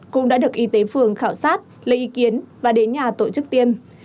cũng đã được y tế phường khảo sát lấy ý kiến và đến nhà tổ chức tiêm